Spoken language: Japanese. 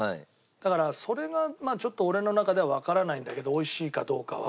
だからそれがまあちょっと俺の中ではわからないんだけど美味しいかどうかは。